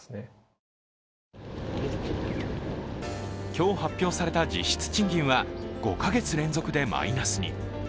今日発表された実質賃金は５か月連続でマイナスに。